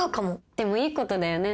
でもいいことだよね。